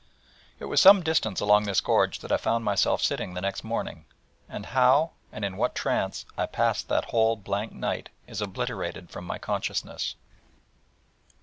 It was some distance along this gorge that I found myself sitting the next morning: and how, and in what trance, I passed that whole blank night is obliterated from my consciousness.